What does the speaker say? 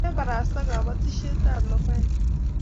Keparasta kapatisiet ab lokoek